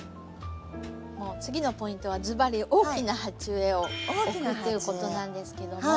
次のポイントはずばり大きな鉢植えを置くっていうことなんですけども。